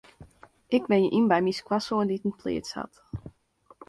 Ik wenje yn by my skoansoan dy't in pleats hat.